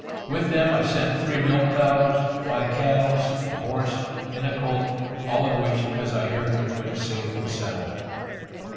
With them I sent three milch cows, five calves, a horse and a colt, all of which, as I heard, went safe and sound.